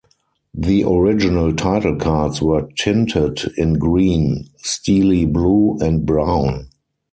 The original title cards were tinted in green, steely-blue and brown.